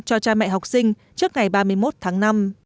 cho cha mẹ học sinh trước ngày ba mươi một tháng năm